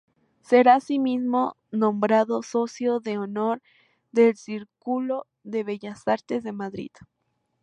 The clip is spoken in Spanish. Será así mismo nombrado Socio de Honor del Círculo de Bellas Artes de Madrid.